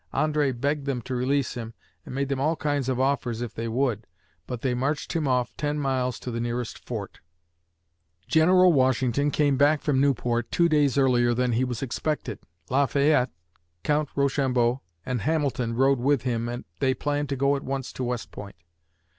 André begged them to release him and made them all kinds of offers if they would, but they marched him off ten miles to the nearest fort. [Illustration: A Messenger came to Benedict Arnold] General Washington came back from Newport two days earlier than he was expected. Lafayette, Count Rochambeau and Hamilton rode with him and they planned to go at once to West Point.